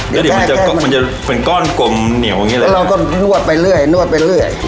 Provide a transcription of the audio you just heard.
แล้วเดี๋ยวมันจะมันจะเป็นก้อนกลมเหนียวอย่างนี้เลยแล้วเราก็นวดไปเรื่อยนวดไปเรื่อย